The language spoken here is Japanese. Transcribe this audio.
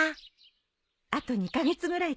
あと２カ月ぐらいかな。